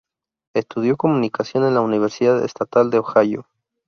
Estudió Comunicación en la Universidad Estatal de Ohio.